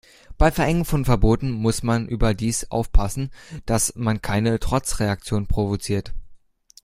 Beim Verhängen von Verboten muss man überdies aufpassen, dass man keine Trotzreaktionen provoziert.